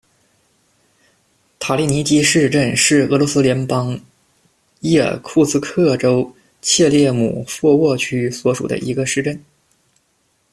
塔利尼基市镇是俄罗斯联邦伊尔库茨克州切列姆霍沃区所属的一个市镇。